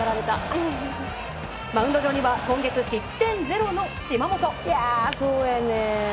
マウンド上には今月失点０の島本。